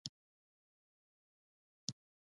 د ژوندو بې ځواکه نه کېږي، د مړو بې خاکه نه کېږي.